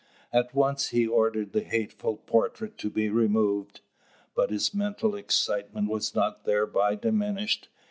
At once he ordered the hateful portrait to be removed. But his mental excitement was not thereby diminished.